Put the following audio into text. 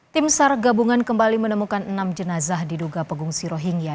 tim sar gabungan kembali menemukan enam jenazah diduga pengungsi rohingya